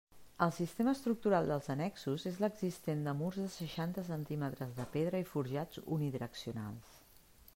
El sistema estructural dels annexos és l'existent de murs de seixanta centímetres de pedra i forjats unidireccionals.